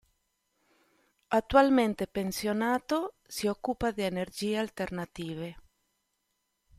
Attualmente pensionato, si occupa di energie alternative.